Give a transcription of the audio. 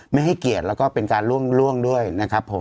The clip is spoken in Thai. ไม่ให้เกียรติแล้วก็เป็นการล่วงด้วยนะครับผม